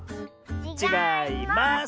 ちがいます！